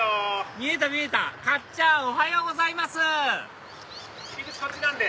見えた見えたかっちゃんおはようございます入り口こっちなんで。